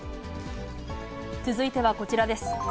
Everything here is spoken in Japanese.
続いてはこちらです。